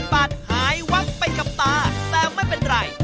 ๕๐๐๐บาทหายวังไปกับตาแซมไม่เป็นไร